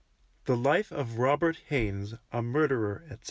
The Life of ROBERT HAYNES, a Murderer, etc.